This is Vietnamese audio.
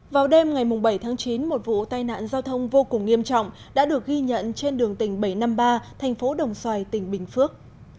vào đêm ngày bảy tháng chín một vụ tai nạn giao thông vô cùng nghiêm trọng đã được ghi nhận trên đường tỉnh bảy trăm năm mươi ba thành phố đồng xoài tỉnh bình phước